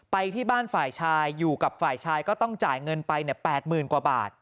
ไปที่บ้านฝ่ายชายอยู่กับฝ่ายชายก็ต้องจ่ายเงินไป๘๐๐๐กว่าบาท